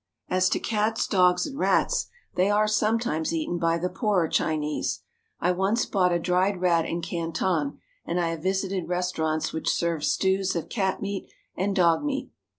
As to cats, dogs, and rats, they are sometimes eaten ^by the poorer Chinese. I once bought a dried rat in Canton, and I have visited restaurants which served stews of cat meat and dog meat.